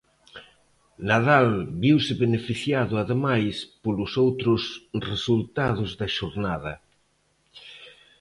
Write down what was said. Nadal viuse beneficiado ademais polos outros resultados da xornada.